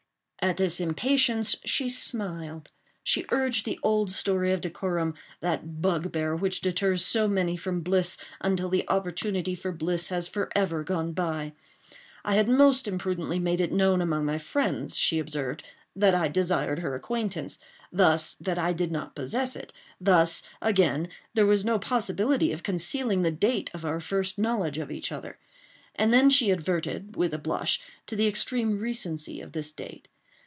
At this impatience she smiled. She urged the old story of decorum—that bug bear which deters so many from bliss until the opportunity for bliss has forever gone by. I had most imprudently made it known among my friends, she observed, that I desired her acquaintance—thus that I did not possess it—thus, again, there was no possibility of concealing the date of our first knowledge of each other. And then she adverted, with a blush, to the extreme recency of this date.